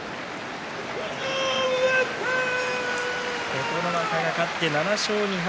琴ノ若が勝って７勝２敗